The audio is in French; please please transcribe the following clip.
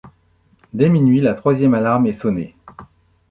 Dès minuit, la troisième alarme est sonnée.